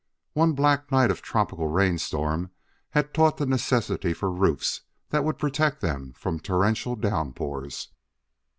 One black night of tropic rainstorm had taught the necessity for roofs that would protect them from torrential downpours.